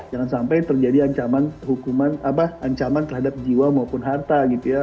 jangan sampai terjadi ancaman terhadap jiwa maupun harta